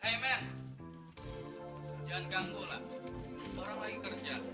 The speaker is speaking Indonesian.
hey men jangan ganggu lah orang lagi kerja